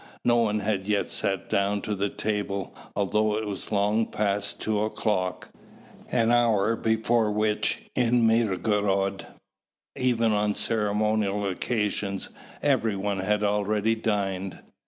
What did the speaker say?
No one had yet sat down to the table, although it was long past two o'clock, an hour before which in Mirgorod, even on ceremonial occasions, every one had already dined.